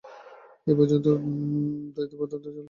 এই পর্যন্ত দ্বৈত বেদান্তের আলোচনা।